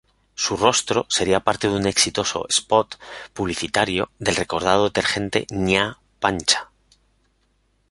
Su rostro sería parte de un exitoso "spot" publicitario del recordado detergente Ña Pancha.